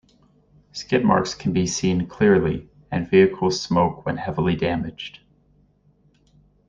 Skid marks can be seen clearly, and vehicles smoke when heavily damaged.